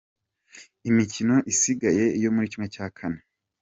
Imikino isigaye yo muri ¼ :.